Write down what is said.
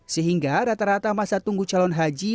sehingga rata rata masa tunggu calon haji